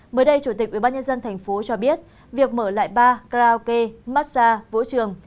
mới đây chủ tịch ubnd tp hcm cho biết việc mở lại bar karaoke massage vũ trường